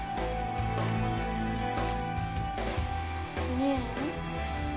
ねえ